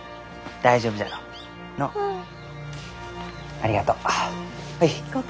ありがとう。